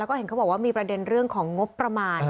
แล้วก็เห็นเขาบอกว่ามีประเด็นเรื่องของงบประมาณ